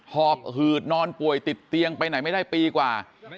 หอบหืดนอนป่วยติดเตียงไปไหนไม่ได้ปีกว่า